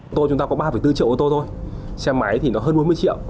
ô tô chúng ta có ba bốn triệu ô tô thôi xe máy thì nó hơn bốn mươi triệu